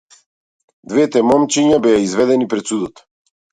Двете момчиња беа изведени пред судот.